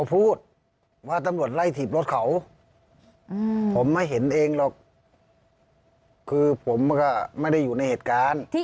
ผมก็ไม่ได้อยู่ในเหตุการณ์